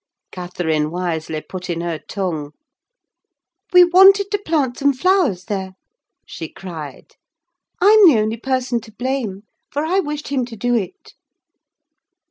Catherine wisely put in her tongue. "We wanted to plant some flowers there," she cried. "I'm the only person to blame, for I wished him to do it."